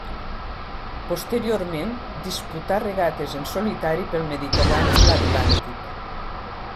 Posteriorment, disputà regates en solitari pel Mediterrani i l'Atlàntic.